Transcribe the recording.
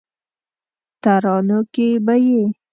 ترانو کې به یې